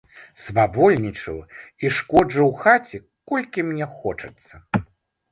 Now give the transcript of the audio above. Свавольнічаю і шкоджу ў хаце, колькі мне хочацца.